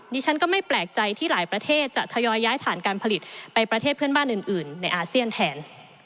ฉันก็ไม่แปลกใจที่หลายประเทศจะทยอยย้ายฐานการผลิตไปประเทศเพื่อนบ้านอื่นในอาเซียนแทน